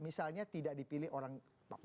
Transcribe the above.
misalnya tidak dipilih orang bapak gitu